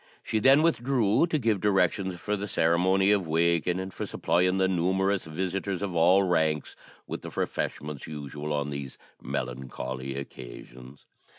She then withdrew, to give directions for the ceremony of waking, and for supplying the numerous visitors of all ranks with the refreshments usual on these melancholy occasions.